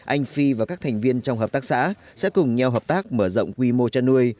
anh phi và các thành viên trong hợp tác xã sẽ cùng nhau hợp tác mở rộng quy mô chăn nuôi